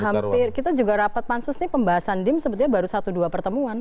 hampir kita juga rapat pansus ini pembahasan dim sebetulnya baru satu dua pertemuan